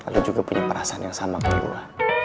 lo juga punya perasaan yang sama kayak gue